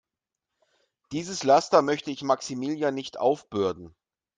Dieses Laster möchte ich Maximilian nicht aufbürden.